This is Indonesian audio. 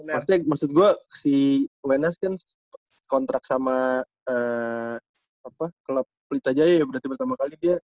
maksudnya maksud gua si wenas kan kontrak sama apa klub pelitajaya ya berarti pertama kali dia